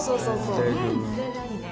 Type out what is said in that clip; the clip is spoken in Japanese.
うん。